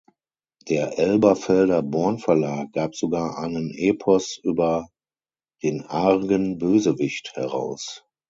Der Elberfelder Born Verlag gab sogar einen Epos über „den argen Bösewicht“ heraus.